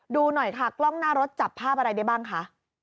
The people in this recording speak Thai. ดูหน่อยค่ะกล้องหน้ารถจับภาพอะไรได้บ้างคะ